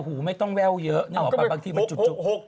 อู๋ไม่ต้องแววเยอะนี่หรอบางทีมันจุดจุด